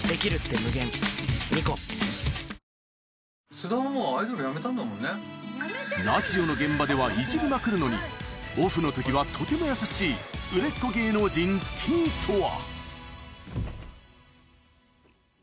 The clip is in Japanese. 須田はもう、アイドルやめたラジオの現場ではいじりまくるのに、オフのときはとても優しい、売れっ子芸能人Ｔとは。